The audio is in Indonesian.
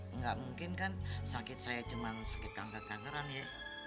enggak mungkin kan sakit saya cuma sakit kanker kankeran ya